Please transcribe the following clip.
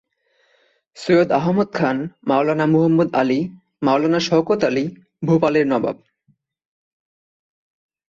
সৈয়দ আহমদ খান, মাওলানা মুহাম্মদ আলি, মাওলানা শওকত আলি, ভোপালের নবাব।